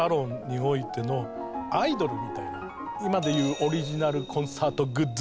今で言うオリジナルコンサートグッズ的なものですね。